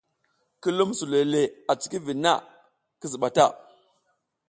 Ki lum suloy le a cikiviɗ na, ki ziɓa ta.